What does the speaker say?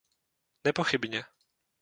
Nepochybně.